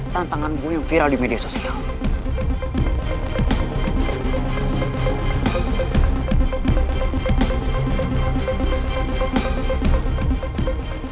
tantangan gue yang viral di media sosial